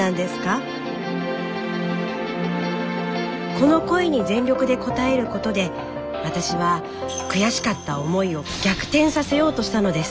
この声に全力で応えることで私は悔しかった思いを逆転させようとしたのです。